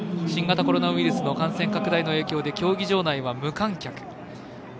新型コロナウイルスの感染拡大の影響で競技場内は無観客。